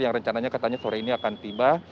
yang rencananya katanya sore ini akan tiba